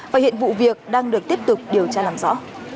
và hiện vụ việc đang được tiếp tục điều tra làm rõ